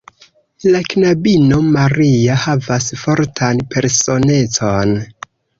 La knabino Maria havas fortan personecon.